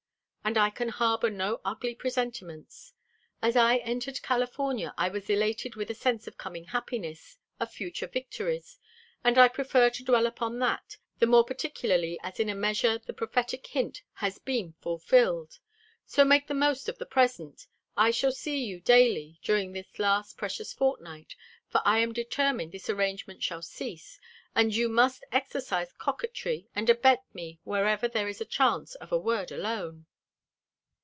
And I can harbor no ugly presentiments. As I entered California I was elated with a sense of coming happiness, of future victories; and I prefer to dwell upon that, the more particularly as in a measure the prophetic hint has been fulfilled. So make the most of the present. I shall see you daily during this last precious fortnight, for I am determined this arrangement shall cease; and you must exorcise coquetry and abet me whenever there is a chance of a word alone."